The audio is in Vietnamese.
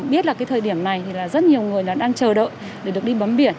biết là cái thời điểm này thì là rất nhiều người đang chờ đợi để được đi bấm biển